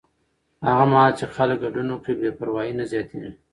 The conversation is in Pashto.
هغه مهال چې خلک ګډون وکړي، بې پروایي نه زیاتېږي.